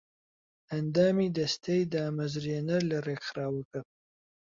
ئەندامی دەستەی دامەزرێنەر لە ڕێکخراوەکە